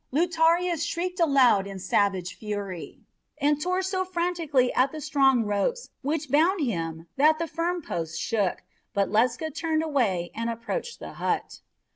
Lutarius shrieked aloud in savage fury, and tore so frantically at the strong ropes which bound him that the firm posts shook, but Ledscha turned away and approached the hut.